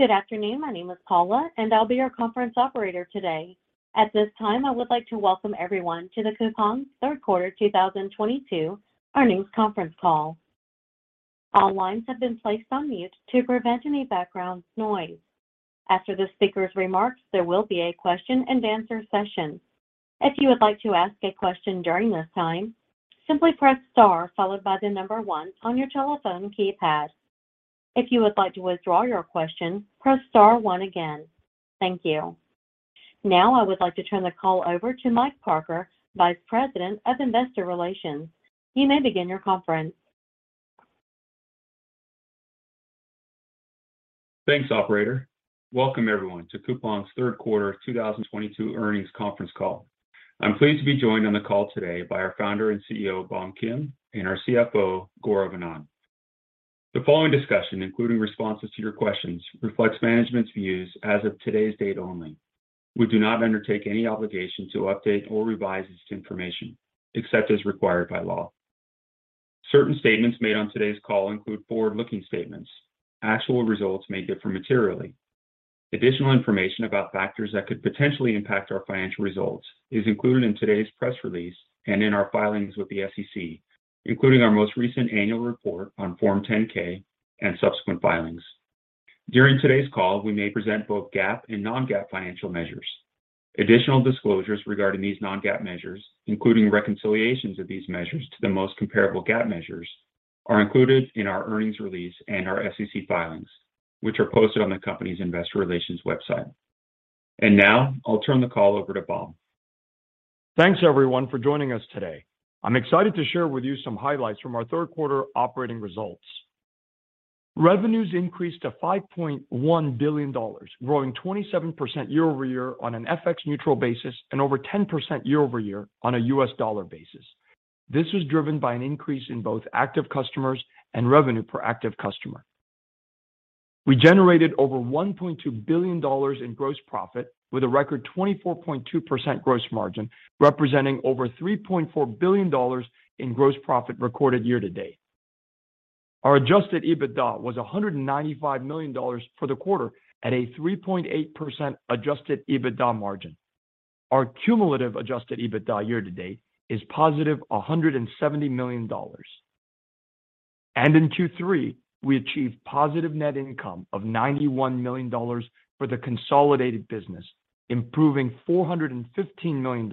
Good afternoon. My name is Paula, and I'll be your conference operator today. At this time, I would like to welcome everyone to the Coupang Third Quarter 2022 Earnings Conference Call. All lines have been placed on mute to prevent any background noise. After the speaker's remarks, there will be a question and answer session. If you would like to ask a question during this time, simply press star followed by the number one on your telephone keypad. If you would like to withdraw your question, press star one again. Thank you. Now I would like to turn the call over to Mike Parker, Vice President of Investor Relations. You may begin your conference. Thanks, operator. Welcome everyone to Coupang's Third quarter 2022 earnings conference call. I'm pleased to be joined on the call today by our founder and CEO, Bom Kim, and our CFO, Gaurav Anand. The following discussion, including responses to your questions, reflects management's views as of today's date only. We do not undertake any obligation to update or revise this information, except as required by law. Certain statements made on today's call include forward-looking statements. Actual results may differ materially. Additional information about factors that could potentially impact our financial results is included in today's press release and in our filings with the SEC, including our most recent annual report on Form 10-K and subsequent filings. During today's call, we may present both GAAP and non-GAAP financial measures. Additional disclosures regarding these non-GAAP measures, including reconciliations of these measures to the most comparable GAAP measures, are included in our earnings release and our SEC filings, which are posted on the company's Investor Relations website. Now I'll turn the call over to Bom. Thanks everyone for joining us today. I'm excited to share with you some highlights from our third quarter operating results. Revenues increased to $5.1 billion, growing 27% year-over-year on an FX-neutral basis and over 10% year-over-year on a U.S. dollar basis. This was driven by an increase in both active customers and revenue per active customer. We generated over $1.2 billion in gross profit with a record 24.2% gross margin, representing over $3.4 billion in gross profit recorded year-to-date. Our Adjusted EBITDA was $195 million for the quarter at a 3.8% Adjusted EBITDA margin. Our cumulative Adjusted EBITDA year-to-date is positive $170 million. In Q3, we achieved positive net income of $91 million for the consolidated business, improving $415 million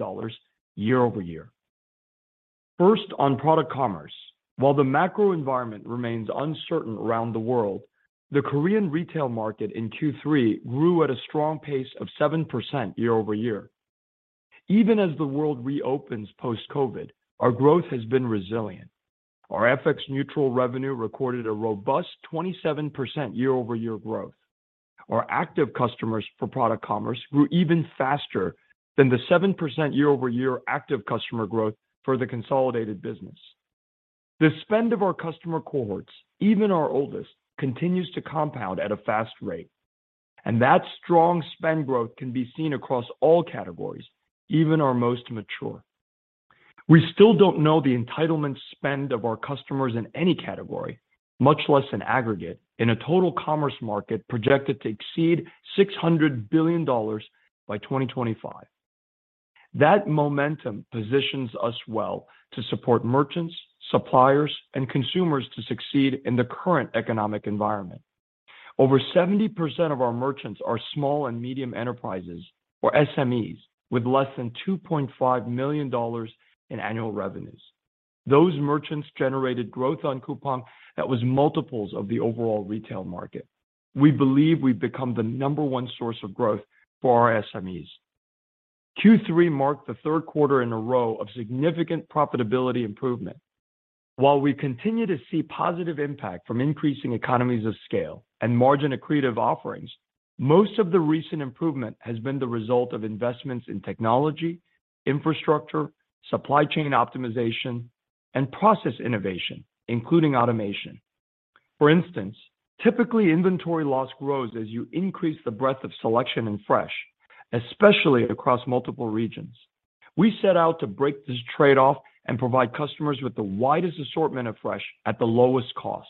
year-over-year. First, on product commerce. While the macro environment remains uncertain around the world, the Korean retail market in Q3 grew at a strong pace of 7% year-over-year. Even as the world reopens post-COVID, our growth has been resilient. Our FX-neutral revenue recorded a robust 27% year-over-year growth. Our active customers for product commerce grew even faster than the 7% year-over-year active customer growth for the consolidated business. The spend of our customer cohorts, even our oldest, continues to compound at a fast rate, and that strong spend growth can be seen across all categories, even our most mature. We still don't know the entitlement spend of our customers in any category, much less in aggregate in a total commerce market projected to exceed $600 billion by 2025. That momentum positions us well to support merchants, suppliers, and consumers to succeed in the current economic environment. Over 70% of our merchants are small and medium enterprises or SMEs with less than $2.5 million in annual revenues. Those merchants generated growth on Coupang that was multiples of the overall retail market. We believe we've become the number one source of growth for our SMEs. Q3 marked the third quarter in a row of significant profitability improvement. While we continue to see positive impact from increasing economies of scale and margin accretive offerings, most of the recent improvement has been the result of investments in technology, infrastructure, supply chain optimization, and process innovation, including automation. For instance, typically inventory loss grows as you increase the breadth of selection in fresh, especially across multiple regions. We set out to break this trade-off and provide customers with the widest assortment of fresh at the lowest cost.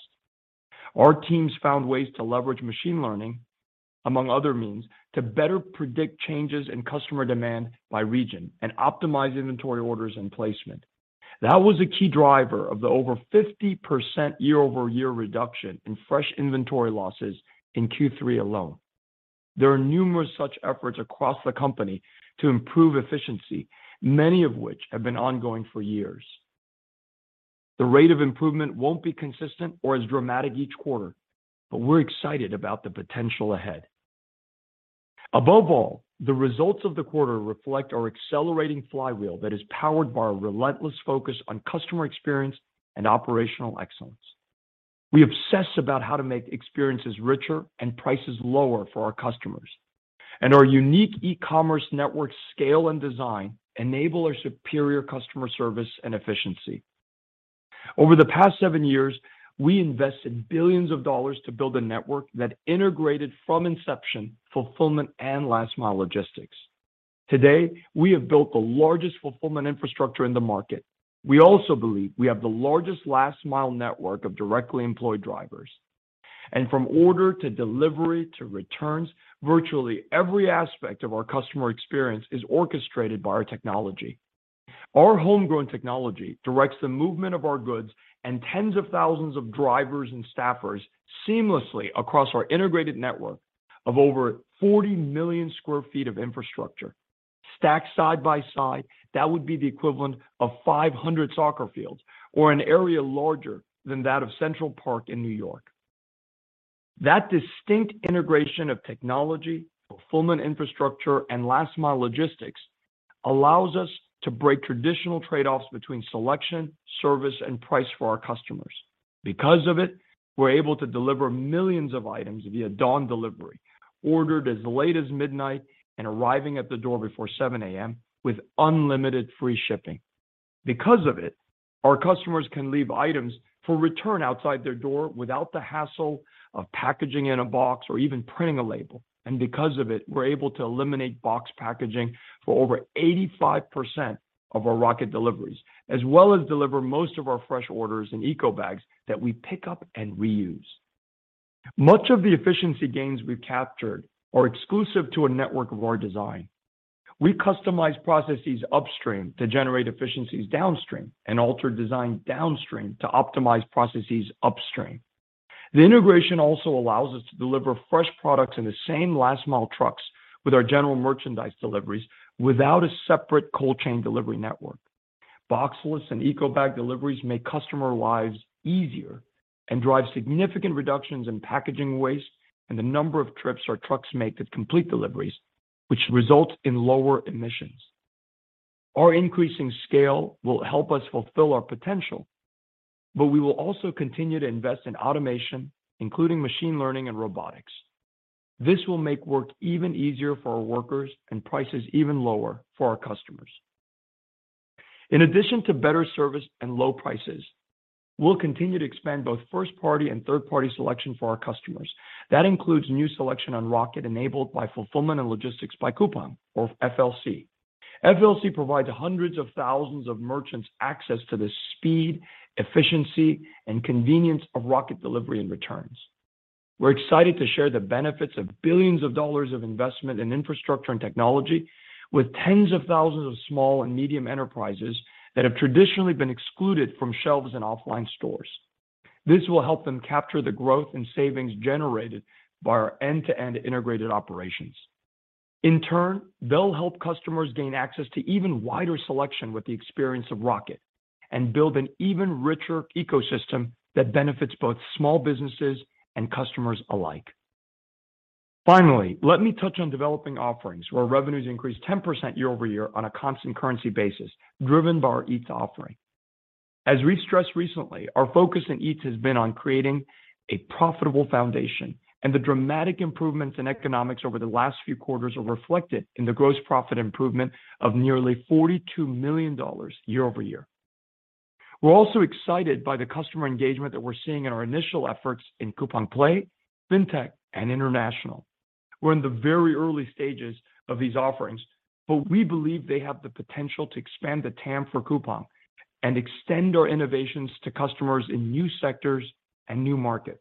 Our teams found ways to leverage machine learning, among other means, to better predict changes in customer demand by region and optimize inventory orders and placement. That was a key driver of the over 50% year-over-year reduction in fresh inventory losses in Q3 alone. There are numerous such efforts across the company to improve efficiency, many of which have been ongoing for years. The rate of improvement won't be consistent or as dramatic each quarter, but we're excited about the potential ahead. Above all, the results of the quarter reflect our accelerating flywheel that is powered by our relentless focus on customer experience and operational excellence. We obsess about how to make experiences richer and prices lower for our customers, and our unique e-commerce network scale and design enable our superior customer service and efficiency. Over the past seven years, we invested billions of dollars to build a network that integrated from inception, fulfillment, and last mile logistics. Today, we have built the largest fulfillment infrastructure in the market. We also believe we have the largest last mile network of directly employed drivers. From order to delivery to returns, virtually every aspect of our customer experience is orchestrated by our technology. Our homegrown technology directs the movement of our goods and tens of thousands of drivers and staffers seamlessly across our integrated network of over 40 million sq ft of infrastructure. Stacked side by side, that would be the equivalent of 500 soccer fields or an area larger than that of Central Park in New York. That distinct integration of technology, fulfillment infrastructure, and last mile logistics allows us to break traditional trade-offs between selection, service, and price for our customers. Because of it, we're able to deliver millions of items via Dawn Delivery, ordered as late as midnight and arriving at the door before 7 A.M. with unlimited free shipping. Because of it, our customers can leave items for return outside their door without the hassle of packaging in a box or even printing a label. Because of it, we're able to eliminate box packaging for over 85% of our Rocket deliveries, as well as deliver most of our fresh orders in eco bags that we pick up and reuse. Much of the efficiency gains we've captured are exclusive to a network of our design. We customize processes upstream to generate efficiencies downstream and alter design downstream to optimize processes upstream. The integration also allows us to deliver fresh products in the same last mile trucks with our general merchandise deliveries without a separate cold chain delivery network. Boxless and eco bag deliveries make customer lives easier and drive significant reductions in packaging waste and the number of trips our trucks make to complete deliveries, which result in lower emissions. Our increasing scale will help us fulfill our potential, but we will also continue to invest in automation, including machine learning and robotics. This will make work even easier for our workers and prices even lower for our customers. In addition to better service and low prices, we'll continue to expand both first-party and third-party selection for our customers. That includes new selection on Rocket enabled by fulfillment and logistics by Coupang or FLC. FLC provides hundreds of thousands of merchants access to the speed, efficiency, and convenience of Rocket delivery and returns. We're excited to share the benefits of $ billions of investment in infrastructure and technology with tens of thousands of small and medium enterprises that have traditionally been excluded from shelves and offline stores. This will help them capture the growth and savings generated by our end-to-end integrated operations. In turn, they'll help customers gain access to even wider selection with the experience of Rocket and build an even richer ecosystem that benefits both small businesses and customers alike. Finally, let me touch on developing offerings where revenues increased 10% year-over-year on a constant currency basis, driven by our Eats offering. As we stressed recently, our focus in Eats has been on creating a profitable foundation, and the dramatic improvements in economics over the last few quarters are reflected in the gross profit improvement of nearly $42 million year-over-year. We're also excited by the customer engagement that we're seeing in our initial efforts in Coupang Play, Fintech, and International. We're in the very early stages of these offerings, but we believe they have the potential to expand the TAM for Coupang and extend our innovations to customers in new sectors and new markets.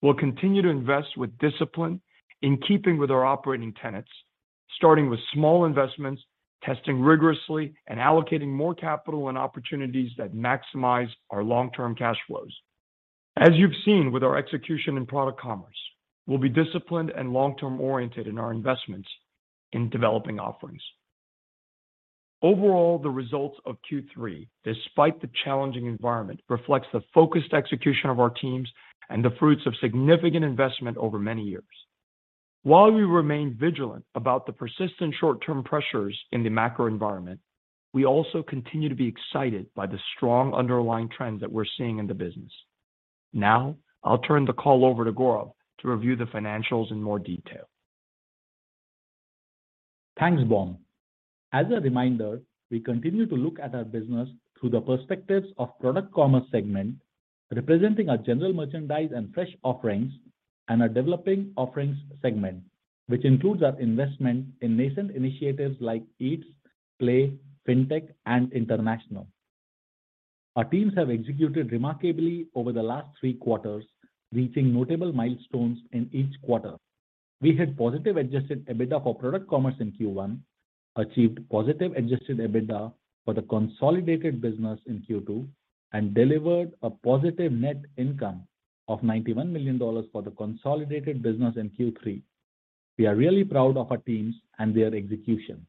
We'll continue to invest with discipline in keeping with our operating tenets, starting with small investments, testing rigorously, and allocating more capital and opportunities that maximize our long-term cash flows. As you've seen with our execution in product commerce, we'll be disciplined and long-term oriented in our investments in developing offerings. Overall, the results of Q3, despite the challenging environment, reflects the focused execution of our teams and the fruits of significant investment over many years. While we remain vigilant about the persistent short-term pressures in the macro environment, we also continue to be excited by the strong underlying trends that we're seeing in the business. Now, I'll turn the call over to Gaurav to review the financials in more detail. Thanks, Bom. As a reminder, we continue to look at our business through the perspectives of product commerce segment, representing our general merchandise and fresh offerings and our developing offerings segment, which includes our investment in nascent initiatives like Eats, Play, Fintech, and International. Our teams have executed remarkably over the last three quarters, reaching notable milestones in each quarter. We had positive Adjusted EBITDA for product commerce in Q1, achieved positive Adjusted EBITDA for the consolidated business in Q2, and delivered a positive net income of $91 million for the consolidated business in Q3. We are really proud of our teams and their execution.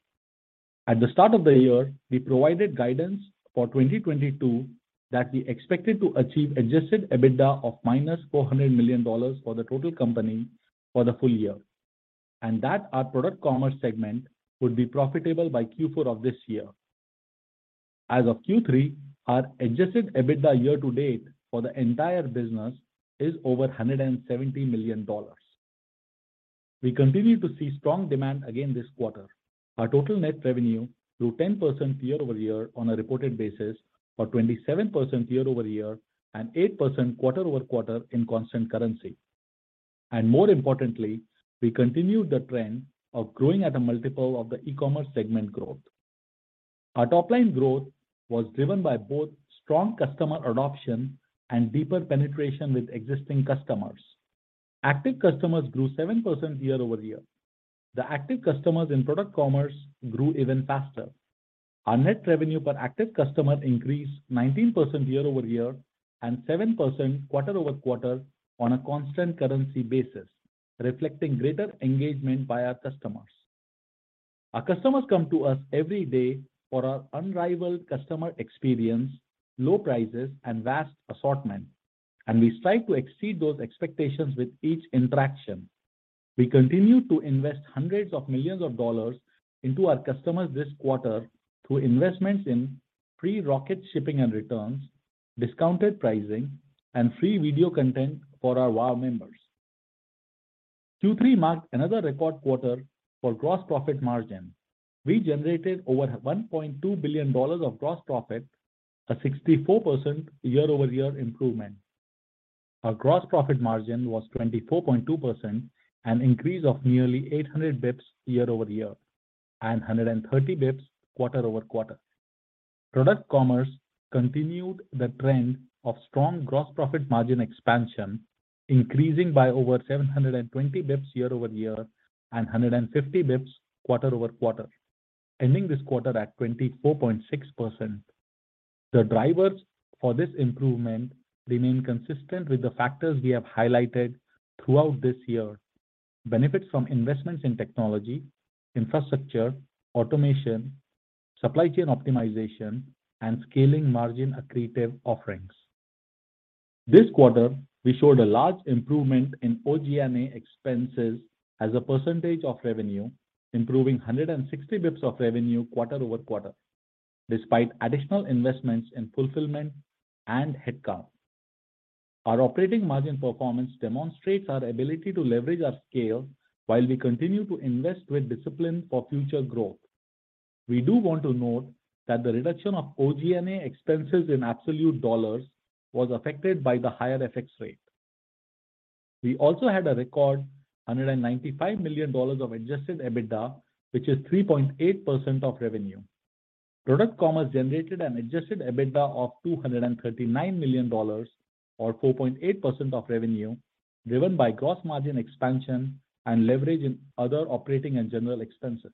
At the start of the year, we provided guidance for 2022 that we expected to achieve Adjusted EBITDA of -$400 million for the total company for the full year, and that our product commerce segment would be profitable by Q4 of this year. As of Q3, our Adjusted EBITDA year to date for the entire business is over $170 million. We continue to see strong demand again this quarter. Our total net revenue grew 10% year-over-year on a reported basis, or 27% year-over-year and 8% quarter-over-quarter in constant currency. More importantly, we continued the trend of growing at a multiple of the e-commerce segment growth. Our top line growth was driven by both strong customer adoption and deeper penetration with existing customers. Active customers grew 7% year-over-year. The active customers in product commerce grew even faster. Our net revenue per active customer increased 19% year-over-year and 7% quarter-over-quarter on a constant currency basis, reflecting greater engagement by our customers. Our customers come to us every day for our unrivaled customer experience, low prices, and vast assortment, and we strive to exceed those expectations with each interaction. We continue to invest hundreds of millions of dollars into our customers this quarter through investments in free Rocket shipping and returns, discounted pricing, and free video content for our WOW members. Q3 marked another record quarter for gross profit margin. We generated over $1.2 billion of gross profit, a 64% year-over-year improvement. Our gross profit margin was 24.2%, an increase of nearly 800 basis points year-over-year and 130 basis points quarter-over-quarter. Product commerce continued the trend of strong gross profit margin expansion, increasing by over 720 basis points year-over-year and 150 basis points quarter-over-quarter, ending this quarter at 24.6%. The drivers for this improvement remain consistent with the factors we have highlighted throughout this year. Benefits from investments in technology, infrastructure, automation, supply chain optimization, and scaling margin accretive offerings. This quarter, we showed a large improvement in SG&A expenses as a percentage of revenue, improving 160 basis points of revenue quarter-over-quarter, despite additional investments in fulfillment and headcount. Our operating margin performance demonstrates our ability to leverage our scale while we continue to invest with discipline for future growth. We do want to note that the reduction of SG&A expenses in absolute dollars was affected by the higher FX rate. We also had a record $195 million of adjusted EBITDA, which is 3.8% of revenue. Product commerce generated an adjusted EBITDA of $239 million, or 4.8% of revenue, driven by gross margin expansion and leverage in SG&A.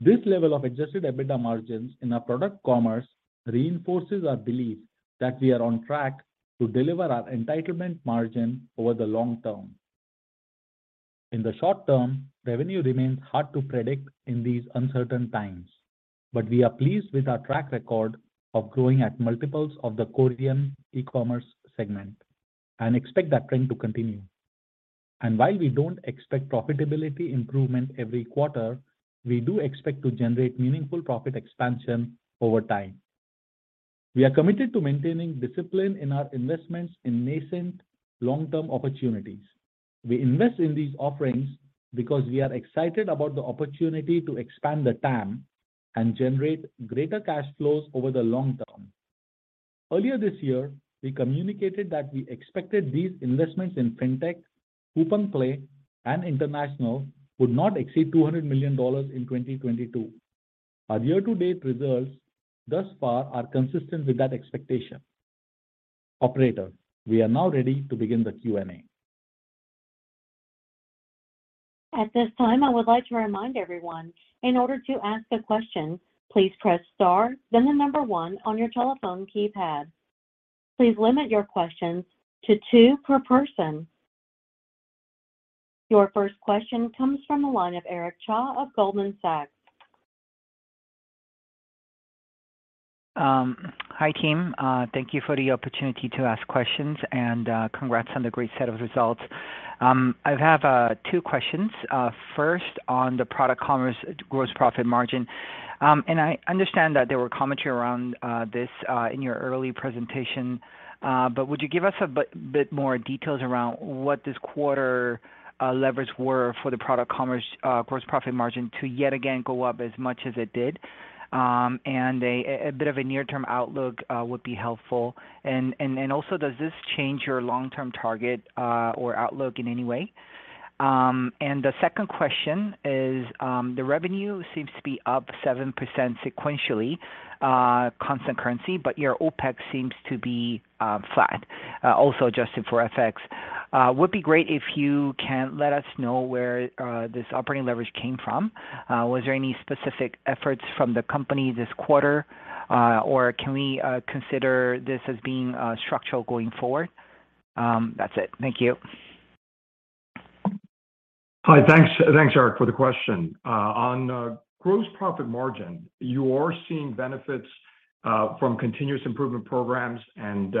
This level of adjusted EBITDA margins in our product commerce reinforces our belief that we are on track to deliver our entitlement margin over the long term. In the short term, revenue remains hard to predict in these uncertain times, but we are pleased with our track record of growing at multiples of the core GMV e-commerce segment and expect that trend to continue. While we don't expect profitability improvement every quarter, we do expect to generate meaningful profit expansion over time. We are committed to maintaining discipline in our investments in nascent long-term opportunities. We invest in these offerings because we are excited about the opportunity to expand the TAM and generate greater cash flows over the long term. Earlier this year, we communicated that we expected these investments in Fintech, Coupang Play, and International would not exceed $200 million in 2022. Our year-to-date results thus far are consistent with that expectation. Operator, we are now ready to begin the Q&A. At this time, I would like to remind everyone, in order to ask a question, please press star then the number one on your telephone keypad. Please limit your questions to two per person. Your first question comes from the line of Eric Cha of Goldman Sachs. Hi, team. Thank you for the opportunity to ask questions and, congrats on the great set of results. I have two questions. First, on the product commerce gross profit margin. I understand that there were commentary around this in your early presentation, but would you give us a bit more details around what this quarter levers were for the product commerce gross profit margin to yet again go up as much as it did? A bit of a near-term outlook would be helpful. Does this change your long-term target or outlook in any way? The second question is, the revenue seems to be up 7% sequentially, constant currency, but your OpEx seems to be flat, also adjusted for FX. Would be great if you can let us know where this operating leverage came from. Was there any specific efforts from the company this quarter or can we consider this as being structural going forward? That's it. Thank you. Hi. Thanks, Eric, for the question. On gross profit margin, you are seeing benefits from continuous improvement programs and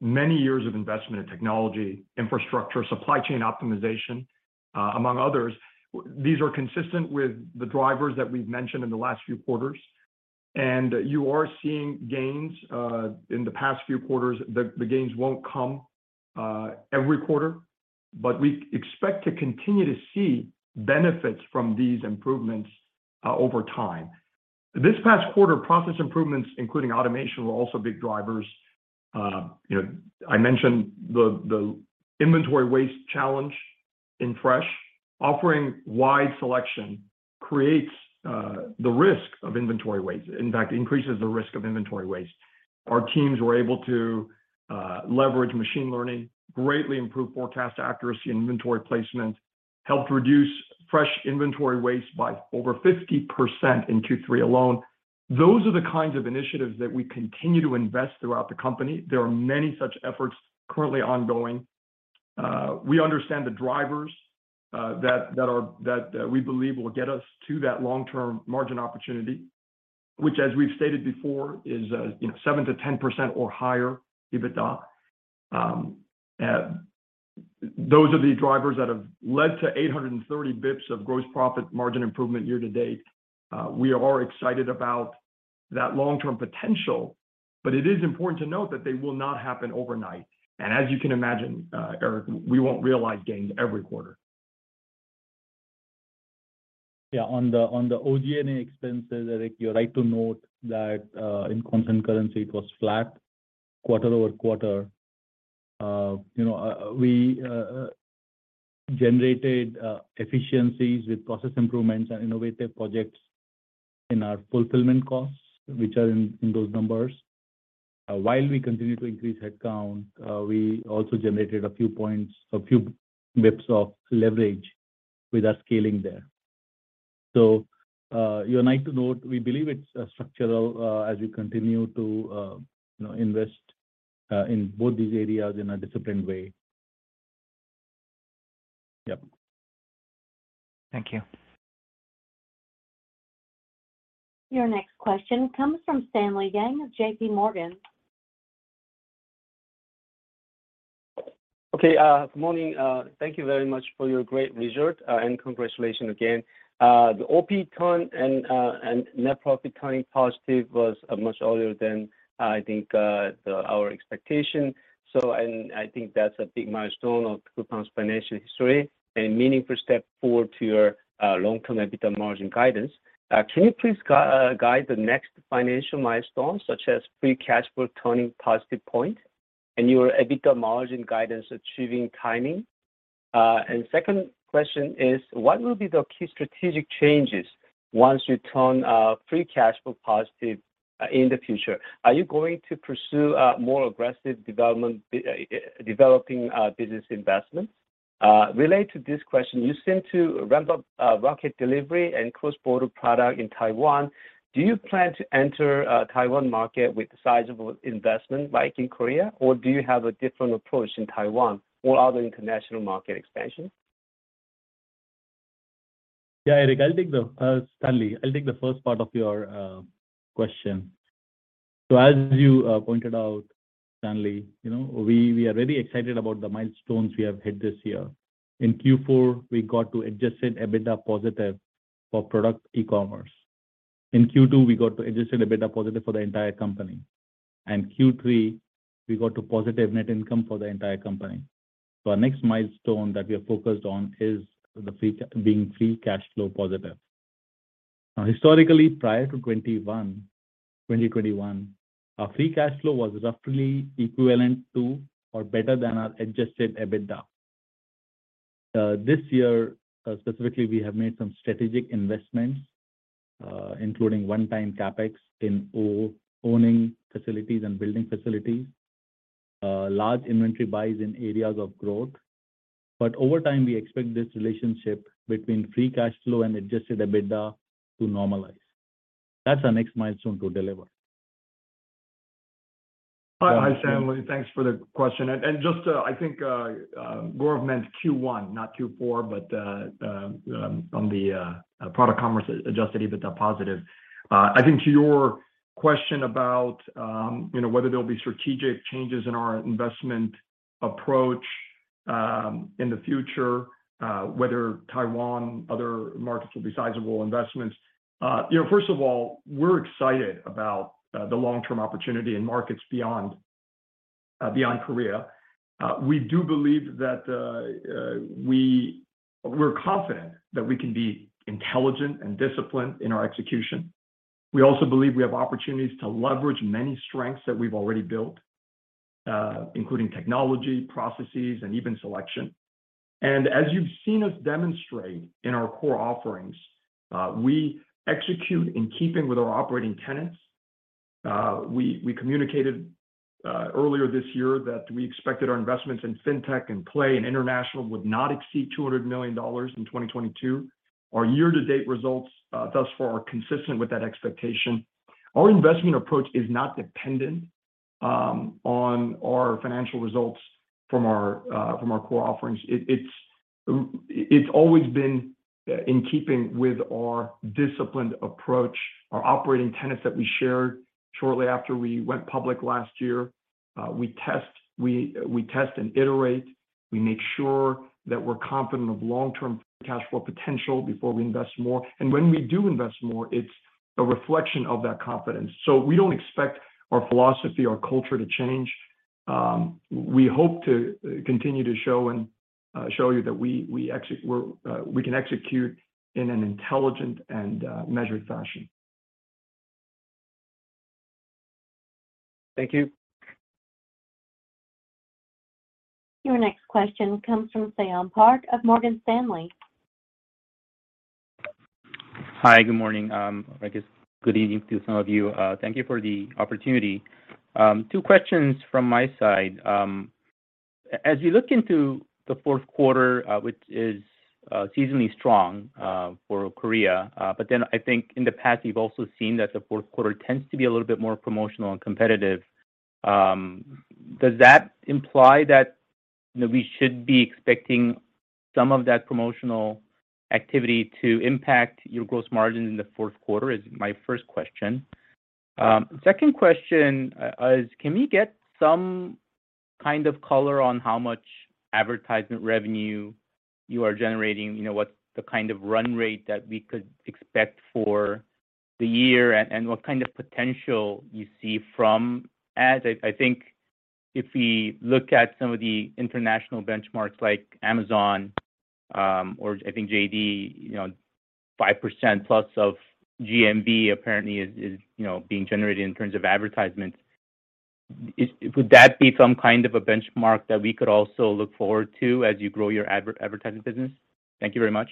many years of investment in technology, infrastructure, supply chain optimization among others. These are consistent with the drivers that we've mentioned in the last few quarters. You are seeing gains in the past few quarters. The gains won't come every quarter, but we expect to continue to see benefits from these improvements over time. This past quarter, process improvements, including automation, were also big drivers. You know, I mentioned the inventory waste challenge in fresh. Offering wide selection creates the risk of inventory waste, in fact, increases the risk of inventory waste. Our teams were able to leverage machine learning, greatly improve forecast accuracy and inventory placement, helped reduce fresh inventory waste by over 50% in Q3 alone. Those are the kinds of initiatives that we continue to invest throughout the company. There are many such efforts currently ongoing. We understand the drivers that we believe will get us to that long-term margin opportunity, which as we've stated before, is, you know, 7%-10% or higher EBITDA. Those are the drivers that have led to 830 basis points of gross profit margin improvement year to date. We are excited about that long-term potential, but it is important to note that they will not happen overnight. As you can imagine, Eric, we won't realize gains every quarter. Yeah. On the SG&A expenses, Eric, you're right to note that, in constant currency, it was flat quarter-over-quarter. You know, we generated efficiencies with process improvements and innovative projects in our fulfillment costs, which are in those numbers. While we continue to increase headcount, we also generated a few basis points of leverage with our scaling there. You're right to note, we believe it's structural, as we continue to you know invest in both these areas in a disciplined way. Yep. Thank you. Your next question comes from Stanley Yang of JPMorgan. Okay, good morning. Thank you very much for your great result, and congratulations again. The OP turn and net profit turning positive was much earlier than I think our expectation. I think that's a big milestone of Coupang's financial history and meaningful step forward to your long-term EBITDA margin guidance. Can you please guide the next financial milestone, such as Free Cash Flow turning positive point and your EBITDA margin guidance achieving timing? Second question is, what will be the key strategic changes once you turn Free Cash Flow positive in the future? Are you going to pursue a more aggressive development, developing, business investment? Related to this question, you seem to ramp up Rocket Delivery and cross-border product in Taiwan. Do you plan to enter a Taiwan market with a sizable investment like in Korea or do you have a different approach in Taiwan or other international market expansion? Eric, I'll take the first part of your question, Stanley. As you pointed out, Stanley, you know, we are very excited about the milestones we have hit this year. In Q4, we got to Adjusted EBITDA positive for product commerce. In Q2, we got to Adjusted EBITDA positive for the entire company. In Q3, we got to positive net income for the entire company. Our next milestone that we are focused on is being free cash flow positive. Now, historically, prior to 2021, our free cash flow was roughly equivalent to or better than our Adjusted EBITDA. This year, specifically, we have made some strategic investments, including one-time CapEx in owning facilities and building facilities, large inventory buys in areas of growth. Over time, we expect this relationship between Free Cash Flow and Adjusted EBITDA to normalize. That's our next milestone to deliver. Hi, Stanley. Thanks for the question. I think Gaurav meant Q1, not Q4, but on the product commerce Adjusted EBITDA positive. I think to your question about, you know, whether there'll be strategic changes in our investment approach in the future, whether Taiwan, other markets will be sizable investments. You know, first of all, we're excited about the long-term opportunity in markets beyond Korea. We do believe that we're confident that we can be intelligent and disciplined in our execution. We also believe we have opportunities to leverage many strengths that we've already built, including technology, processes, and even selection. As you've seen us demonstrate in our core offerings, we execute in keeping with our operating tenets. We communicated earlier this year that we expected our investments in Fintech and Play and international would not exceed $200 million in 2022. Our year-to-date results thus far are consistent with that expectation. Our investment approach is not dependent on our financial results from our core offerings. It's always been in keeping with our disciplined approach, our operating tenets that we shared shortly after we went public last year. We test and iterate. We make sure that we're confident of long-term cash flow potential before we invest more. When we do invest more, it's a reflection of that confidence. We don't expect our philosophy, our culture to change. We hope to continue to show you that we can execute in an intelligent and measured fashion. Thank you. Your next question comes from Seyon Park of Morgan Stanley. Hi. Good morning. I guess good evening to some of you. Thank you for the opportunity. Two questions from my side. As you look into the fourth quarter, which is seasonally strong for Korea, but then I think in the past, you've also seen that the fourth quarter tends to be a little bit more promotional and competitive. Does that imply that, you know, we should be expecting some of that promotional activity to impact your gross margin in the fourth quarter? Is my first question. Second question is, can we get some kind of color on how much advertising revenue you are generating? You know, what's the kind of run rate that we could expect for the year, and what kind of potential you see from ads? I think if we look at some of the international benchmarks like Amazon or I think JD.com, you know, 5% plus of GMV apparently is, you know, being generated in terms of advertisements. Would that be some kind of a benchmark that we could also look forward to as you grow your advertising business? Thank you very much.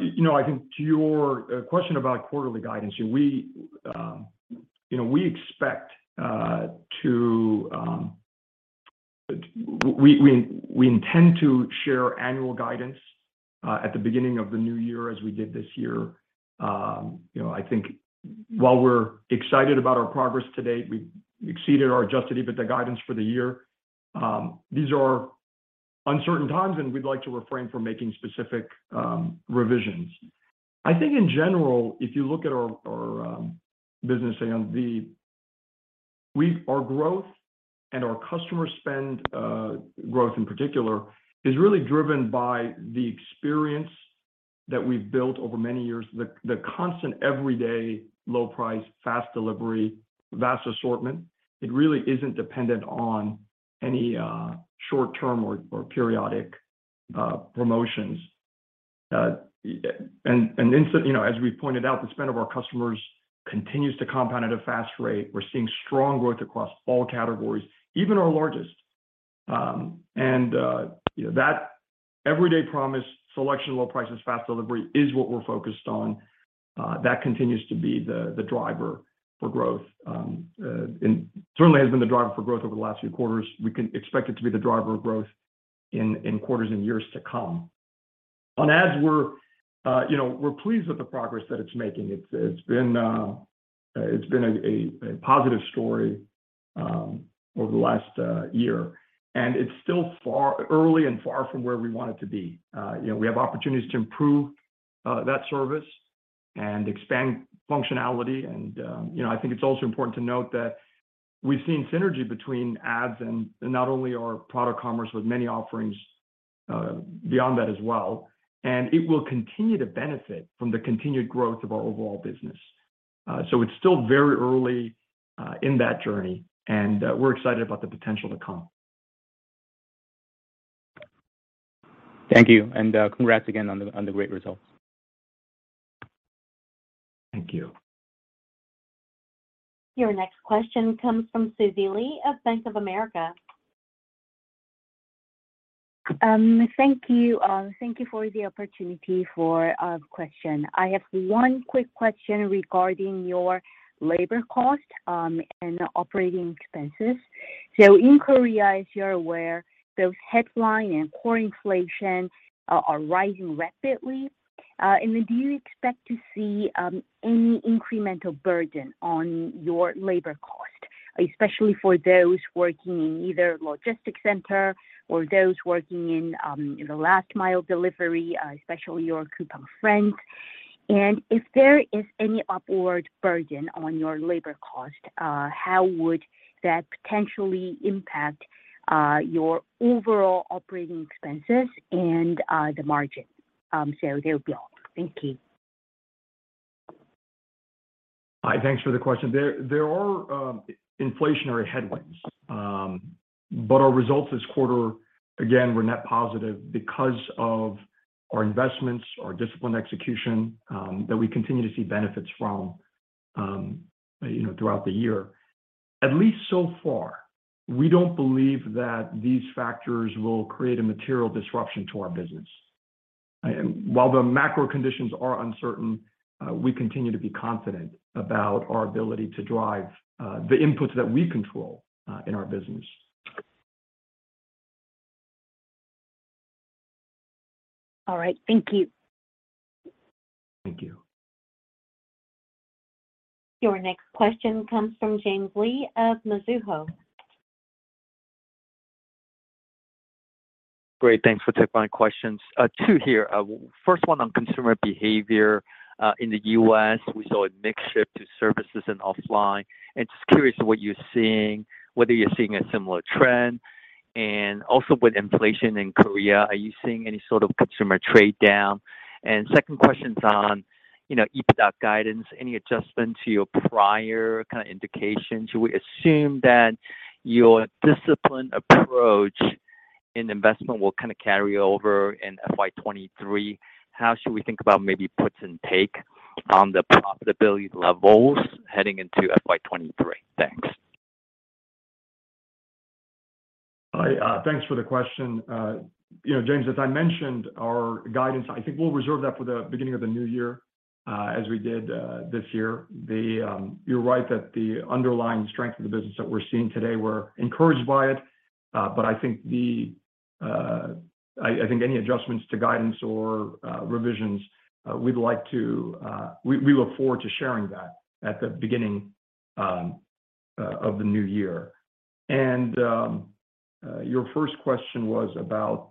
You know, I think to your question about quarterly guidance, you know, we intend to share annual guidance at the beginning of the new year as we did this year. You know, I think while we're excited about our progress to date, we exceeded our Adjusted EBITDA guidance for the year. These are uncertain times, and we'd like to refrain from making specific revisions. I think in general, if you look at our business GMV, our growth and our customer spend growth in particular, is really driven by the experience that we've built over many years. The constant everyday low price, fast delivery, vast assortment. It really isn't dependent on any short-term or periodic promotions. You know, as we pointed out, the spend of our customers continues to compound at a fast rate. We're seeing strong growth across all categories, even our largest. You know, that everyday promise, selection, low prices, fast delivery is what we're focused on. That continues to be the driver for growth, and certainly has been the driver for growth over the last few quarters. We can expect it to be the driver of growth in quarters and years to come. On ads, you know, we're pleased with the progress that it's making. It's been a positive story over the last year. It's still far too early and far from where we want it to be. You know, we have opportunities to improve that service and expand functionality and, you know, I think it's also important to note that we've seen synergy between ads and not only our product commerce with many offerings beyond that as well, and it will continue to benefit from the continued growth of our overall business. It's still very early in that journey and we're excited about the potential to come. Thank you, and congrats again on the great results. Thank you. Your next question comes from Susie Lee of Bank of America. Thank you. Thank you for the opportunity for a question. I have one quick question regarding your labor cost and operating expenses. In Korea, as you're aware, those headline and core inflation are rising rapidly. Do you expect to see any incremental burden on your labor cost, especially for those working in either logistics center or those working in the last mile delivery, especially your Coupang Friends? If there is any upward burden on your labor cost, how would that potentially impact your overall operating expenses and the margin? That would be all. Thank you. Hi. Thanks for the question. There are inflationary headwinds. But our results this quarter, again, were net positive because of our investments, our disciplined execution that we continue to see benefits from, you know, throughout the year. At least so far, we don't believe that these factors will create a material disruption to our business. While the macro conditions are uncertain, we continue to be confident about our ability to drive the inputs that we control in our business. All right. Thank you. Thank you. Your next question comes from James Lee of Mizuho. Great. Thanks for taking my questions. Two here. First one on consumer behavior. In the U.S., we saw a mix shift to services and offline, and just curious what you're seeing, whether you're seeing a similar trend. Also with inflation in Korea, are you seeing any sort of customer trade-down? Second question's on, you know, EBITDA guidance. Any adjustment to your prior kind of indication? Should we assume that your disciplined approach in investment will kind of carry over in FY 2023? How should we think about maybe puts and takes on the profitability levels heading into FY 2023? Thanks. Thanks for the question. You know, James, as I mentioned, our guidance, I think we'll reserve that for the beginning of the new year, as we did this year. You're right that the underlying strength of the business that we're seeing today, we're encouraged by it. I think any adjustments to guidance or revisions, we'd like to look forward to sharing that at the beginning of the new year. Your first question was about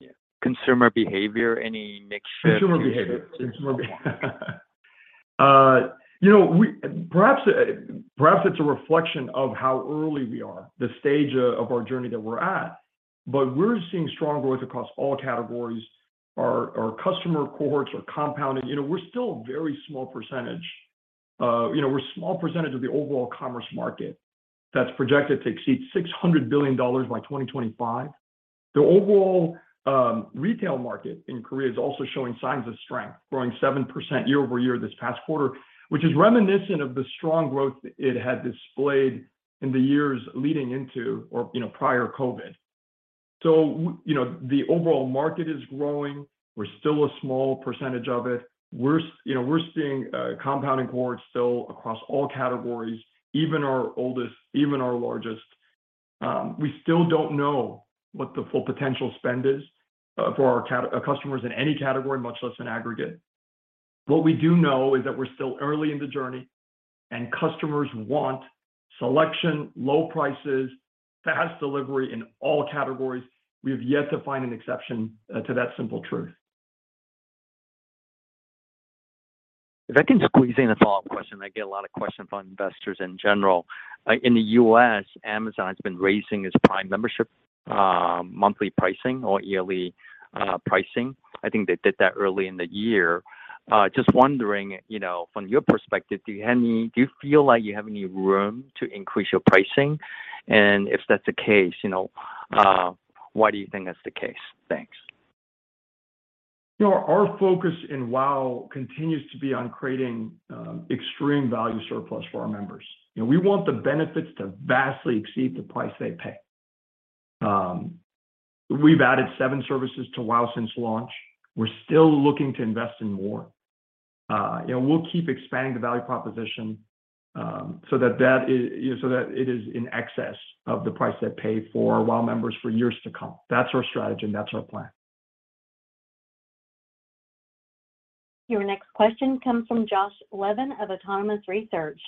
Yeah. Consumer behavior, any mix there? Consumer behavior. You know, perhaps it's a reflection of how early we are, the stage of our journey that we're at, but we're seeing strong growth across all categories. Our customer cohorts are compounding. You know, we're still a very small percentage. You know, we're a small percentage of the overall commerce market that's projected to exceed $600 billion by 2025. The overall retail market in Korea is also showing signs of strength, growing 7% year-over-year this past quarter, which is reminiscent of the strong growth it had displayed in the years leading into or, you know, prior COVID. You know, the overall market is growing. We're still a small percentage of it. You know, we're seeing compounding cohorts still across all categories, even our oldest, even our largest. We still don't know what the full potential spend is for our customers in any category, much less in aggregate. What we do know is that we're still early in the journey, and customers want selection, low prices, fast delivery in all categories. We have yet to find an exception to that simple truth. If I can squeeze in a follow-up question. I get a lot of questions from investors in general. In the US, Amazon's been raising its Prime membership monthly pricing or yearly pricing. I think they did that early in the year. Just wondering, you know, from your perspective, do you feel like you have any room to increase your pricing? If that's the case, you know, why do you think that's the case? Thanks. You know, our focus in WOW continues to be on creating extreme value surplus for our members. You know, we want the benefits to vastly exceed the price they pay. We've added seven services to WOW since launch. We're still looking to invest in more. You know, we'll keep expanding the value proposition, so that it is in excess of the price they pay for our WOW members for years to come. That's our strategy, and that's our plan. Your next question comes from Josh Levin of Autonomous Research.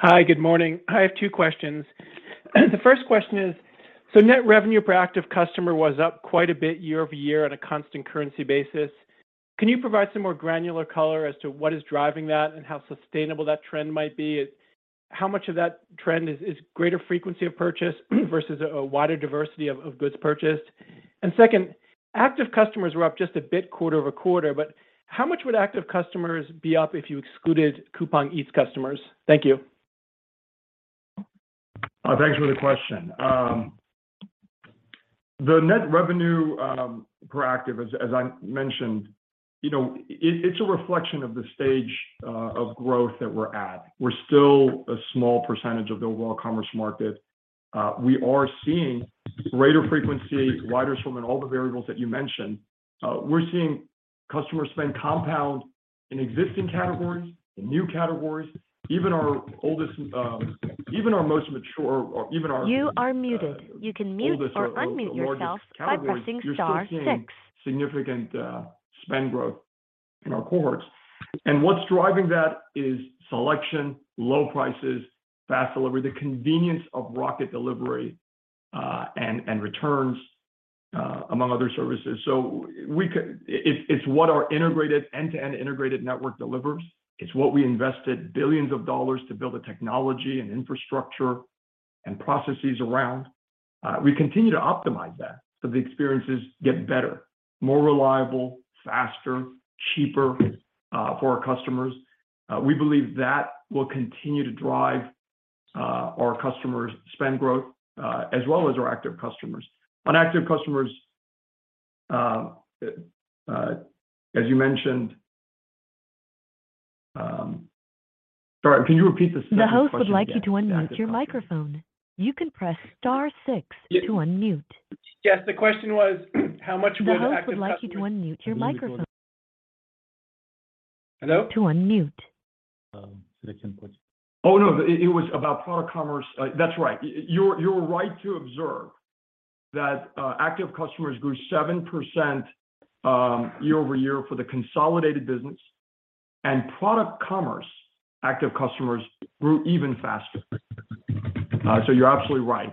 Hi. Good morning. I have two questions. The first question is, net revenue per active customer was up quite a bit year-over-year on a constant currency basis. Can you provide some more granular color as to what is driving that and how sustainable that trend might be? How much of that trend is greater frequency of purchase versus a wider diversity of goods purchased? Second, active customers were up just a bit quarter-over-quarter, but how much would active customers be up if you excluded Coupang Eats customers? Thank you. Thanks for the question. The net revenue per active, as I mentioned, you know, it's a reflection of the stage of growth that we're at. We're still a small percentage of the overall commerce market. We are seeing greater frequency, wider assortment in all the variables that you mentioned. We're seeing customer spend compound in existing categories, in new categories. Even our most mature. Oldest or largest categories, you're still seeing significant spend growth in our cohorts. What's driving that is selection, low prices, fast delivery, the convenience of Rocket Delivery, and returns, among other services. It's what our integrated, end-to-end integrated network delivers. It's what we invested billions of dollars to build the technology and infrastructure and processes around. We continue to optimize that so the experiences get better, more reliable, faster, cheaper, for our customers. We believe that will continue to drive our customers' spend growth, as well as our active customers. On active customers, as you mentioned. Sorry, can you repeat the second question again? Yes. That is copy. Yes. The question was how much would active customers. The host would like you to unmute your microphone. Hello? Um, so they can put- Oh, no. It was about product commerce. That's right. You're right to observe that active customers grew 7% year-over-year for the consolidated business, and product commerce active customers grew even faster. You're absolutely right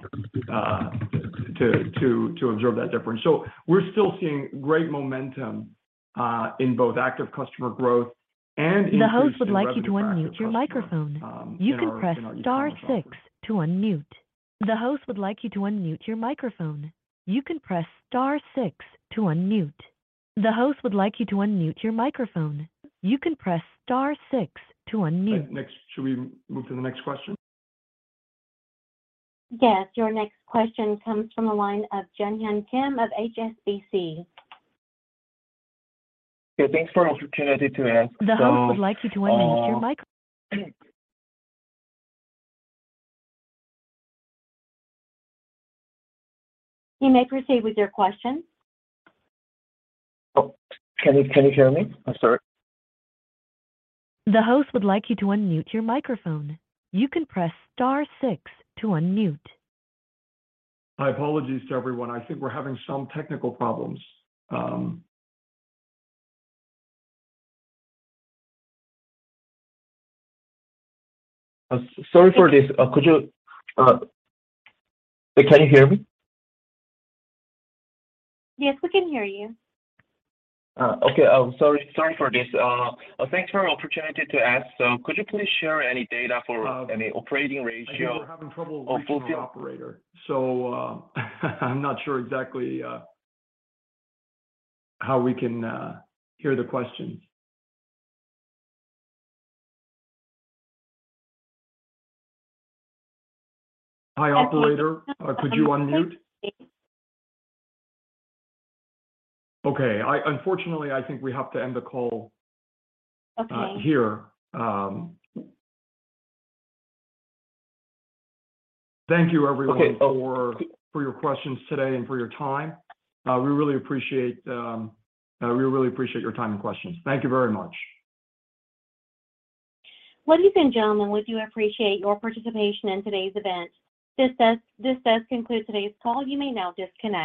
to observe that difference. We're still seeing great momentum in both active customer growth and increase in revenue per active customer in our e-commerce offering. The host would like you to unmute your microphone. You can press star six to unmute. The host would like you to unmute your microphone. You can press star six to unmute. The host would like you to unmute your microphone. You can press star six to unmute. Next. Should we move to the next question? Yes. Your next question comes from the line of Junghyun Kim of HSBC. Yeah, thanks for an opportunity to ask. The host would like you to unmute your microphone. You may proceed with your question. Can you hear me? I'm sorry. The host would like you to unmute your microphone. You can press star six to unmute. My apologies to everyone. I think we're having some technical problems. Sorry for this. Wait, can you hear me? Yes, we can hear you. Okay. Sorry for this. Thanks for an opportunity to ask. Could you please share any data for any operating ratio of retail? I think we're having trouble reaching our operator, so I'm not sure exactly how we can hear the questions. Hi, operator. Could you unmute? Okay. Okay. Unfortunately, I think we have to end the call. Okay. Here. Thank you everyone. Okay. Oh. For your questions today and for your time. We really appreciate your time and questions. Thank you very much. Ladies and gentlemen, we do appreciate your participation in today's event. This does conclude today's call. You may now disconnect.